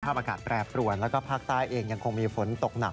อากาศแปรปรวนแล้วก็ภาคใต้เองยังคงมีฝนตกหนัก